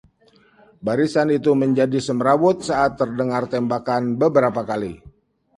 barisan itu menjadi semrawut saat terdengar tembakan beberapa kali